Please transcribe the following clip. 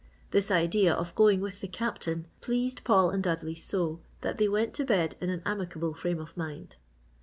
This idea of going with the Captain pleased Paul and Dudley so that they went to bed in an amicable frame of mind.